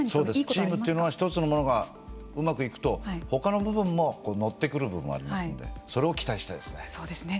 チームというのは一つのものがうまくいくと他の部分も乗ってくる部分がありますのでそれを期待したいですね。